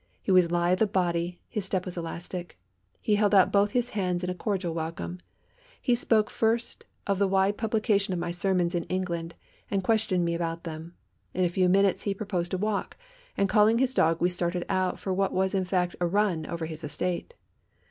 He was lithe of body, his step was elastic. He held out both his hands in a cordial welcome. He spoke first of the wide publication of my sermons in England, and questioned me about them. In a few minutes he proposed a walk, and calling his dog we started out for what was in fact a run over his estate.